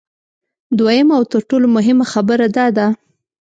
دویمه او تر ټولو مهمه خبره دا ده